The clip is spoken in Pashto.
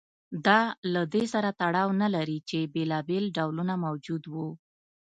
دا له دې سره تړاو نه لري چې بېلابېل ډولونه موجود و